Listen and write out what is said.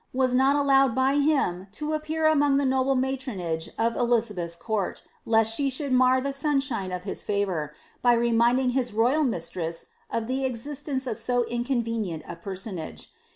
was not allowed by him ti> appear among the noble matronage of Elizabeth^s court lest slie should mar the sunshine of his favour, by reminding his royal mistress of the existence of so inconvenient a personage.